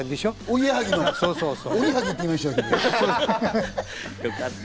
今、「おぎはぎ」って言いませんでした？